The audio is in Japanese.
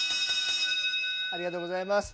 ありがとうございます。